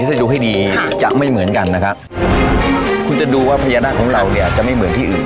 ถ้าดูให้ดีจะไม่เหมือนกันนะครับคุณจะดูว่าพญานาคของเราเนี่ยจะไม่เหมือนที่อื่น